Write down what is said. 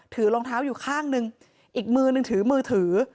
รองเท้าอยู่ข้างหนึ่งอีกมือนึงถือมือถือ